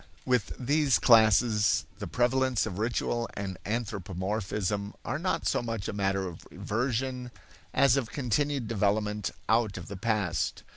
With these classes the prevalence of ritual and anthropomorphism are not so much a matter of reversion as of continued development out of the past.